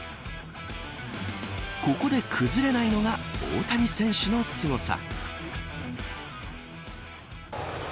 ここで崩れないのが大谷選手のすごさ。